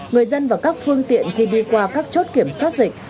người dân và các phương tiện khi đi qua các chốt kiểm soát dịch